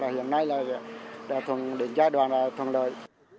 hiện nay là đợt đỉnh giai đoạn là thuận lợi